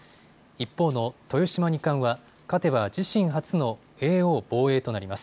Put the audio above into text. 一方の豊島二冠は勝てば自身初の叡王防衛となります。